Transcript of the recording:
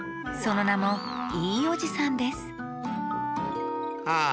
そのなも「いいおじさん」ですあ